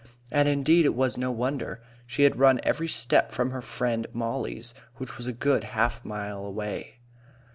And, indeed, it was no wonder. She had run every step from her friend Mollie's, which was a good half mile away.